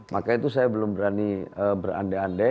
maka itu saya belum berani berandai andai